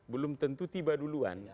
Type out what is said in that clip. belum tentu tiba duluan